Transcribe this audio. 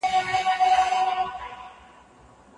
ایا په دې روغتون کې د سترګو ډاکټر شته؟